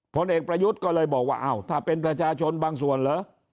ผลเอกประยุทธ์ก็เลยบอกว่าอ้าวถ้าเป็นประชาชนบางส่วนเหรอ